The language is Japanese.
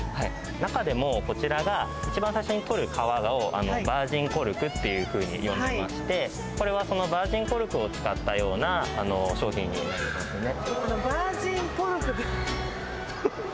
中でもこちらが一番最初に採る皮をバージンコルクっていう風に呼んでましてこれはそのバージンコルクを使ったような商品になりますね。